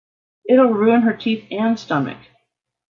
It’ll ruin her teeth and stomach.